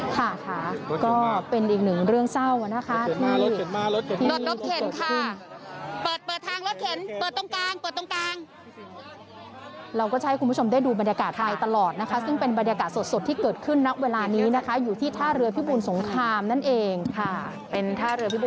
ค่ะค่ะก็เป็นอีกหนึ่งเรื่องเศร้านะคะที่